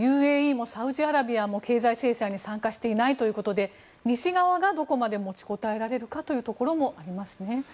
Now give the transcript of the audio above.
ＵＡＥもサウジアラビアも経済制裁に参加していないということで西側がどこまで持ちこたえられるかというところもありますね。